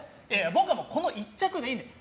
僕はこの１着でいいんだよ。